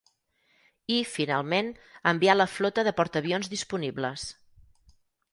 I, finalment, envià la flota de portaavions disponibles.